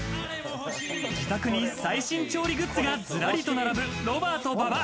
自宅に最新調理グッズがずらりと並ぶロバート・馬場。